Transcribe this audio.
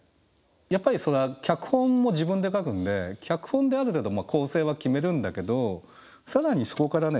やっぱりそれは脚本も自分で書くんで脚本である程度構成は決めるんだけど更にそこからね